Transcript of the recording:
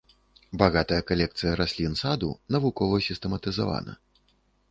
Багатая калекцыя раслін саду навукова сістэматызавана.